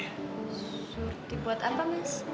surti buat apa mas